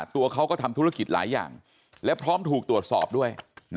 ตัวเขาก็ทำธุรกิจหลายอย่างและพร้อมถูกตรวจสอบด้วย